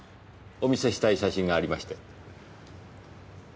お見せしたい写真がありまして。